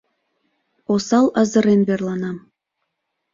Осал азырен верлана.